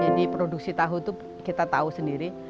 jadi produksi tahu itu kita tahu sendiri